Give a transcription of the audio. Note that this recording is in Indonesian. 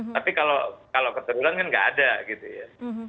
tapi kalau keturunan kan nggak ada gitu ya